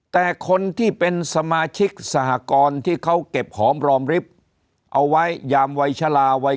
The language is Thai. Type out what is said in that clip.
แต่คนที่เป็นสมาชิกสหกรณ์ที่เขาเก็บหอมรอมริบเอาไว้ยามวัยชะลาวัย